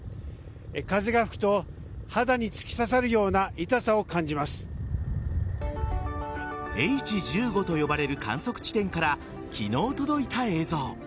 風が吹くと肌に突き刺さるようなＨ１５と呼ばれる観測地点から昨日届いた映像。